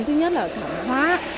thứ nhất là thảm hóa